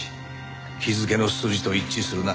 日付の数字と一致するな。